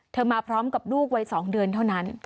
มาพร้อมกับลูกวัย๒เดือนเท่านั้น